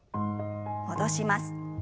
戻します。